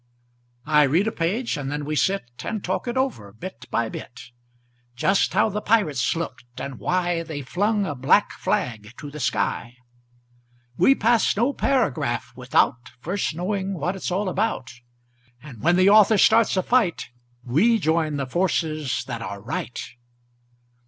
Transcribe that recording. I read a page, and then we sit And talk it over, bit by bit; Just how the pirates looked, and why They flung a black flag to the sky. We pass no paragraph without First knowing what it's all about, And when the author starts a fight We join the forces that are right.